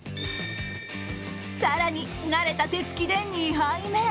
更に、慣れた手つきで２杯目。